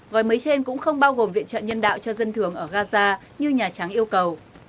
gói mới trên cũng không bao gồm viện trợ nhân đạo cho dân thường ở gaza như nhà trắng yêu cầu